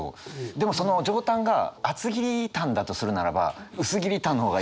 でもその上タンが厚切りタンだとするならば薄切りタンの方がいい。